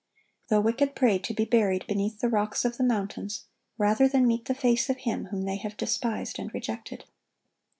The wicked pray to be buried beneath the rocks of the mountains, rather than meet the face of Him whom they have despised and rejected.